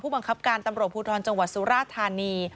พบังคับการตมภูทรจสุราฐรณี